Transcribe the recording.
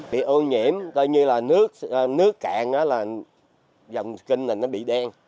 bị ô nhiễm tự nhiên là nước cạn là dòng kênh này nó bị đen